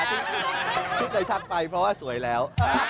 ที่เคยทำไปเพราะว่าสวยแล้ว